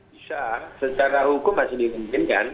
bisa secara hukum masih dimungkinkan